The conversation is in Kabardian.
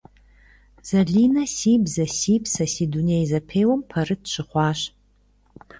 Залинэ «Си бзэ - си псэ, си дуней» зэпеуэм пэрыт щыхъуащ.